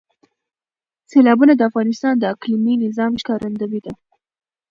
سیلابونه د افغانستان د اقلیمي نظام ښکارندوی ده.